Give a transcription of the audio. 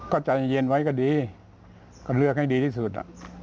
ก็ใจเย็นไว้ก็ดีก็เลือกให้ดีที่สุด